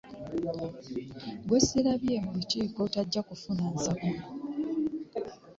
Gwe ssirabye mu lukiiko tajja kufuna nsako.